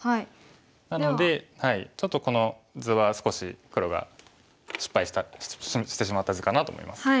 なのでちょっとこの図は少し黒が失敗したしてしまった図かなと思います。